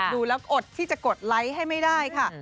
ดูแล้วอดที่จะกดไลค์ให้ไม่ได้ค่ะ